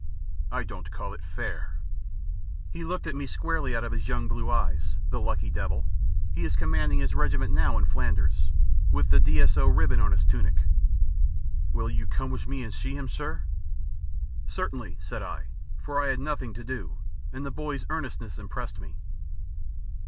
I don't call it fair." He looked at me squarely out of his young blue eyes the lucky devil, he is commanding his regiment now in Flanders, with the D.S.O. ribbon on his tunic. "Will you come with me and see him, sir?" "Certainly," said I, for I had nothing to do, and the boy's earnestness impressed me.